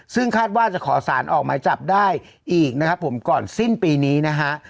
ซึ่งคาดว่าจะขอสารออกหมายจับได้อีกนะครับผมก่อนสิ้นปีนี้นะฮะ